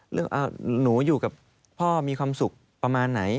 หนูอยู่กับพ่อมีความสุขประมาณไหน